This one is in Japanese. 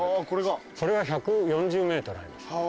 それが１４０ｍあります。